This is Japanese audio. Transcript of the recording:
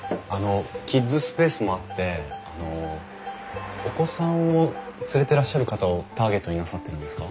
キッズスペースもあってお子さんを連れてらっしゃる方をターゲットになさってるんですか？